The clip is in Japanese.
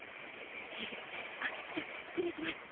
フフッあっじゃあ失礼します。